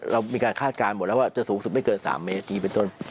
เรามีการคาดการณ์หมดแล้วว่าจะสูงสุดไม่เกิน๓เมตรนี้เป็นต้น